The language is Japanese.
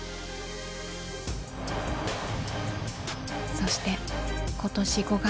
そして今年５月。